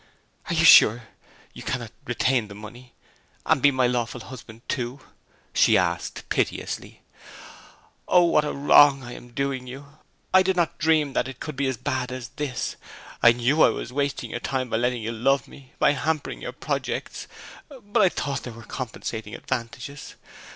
'Are you sure you cannot retain the money, and be my lawful husband too?' she asked piteously. 'O, what a wrong I am doing you! I did not dream that it could be as bad as this. I knew I was wasting your time by letting you love me, and hampering your projects; but I thought there were compensating advantages.